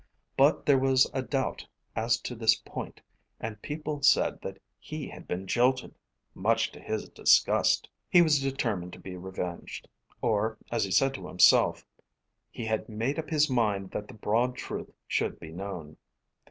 But there was a doubt as to this point, and people said that he had been jilted much to his disgust. He was determined to be revenged, or, as he said to himself, "he had made up his mind that the broad truth should be known."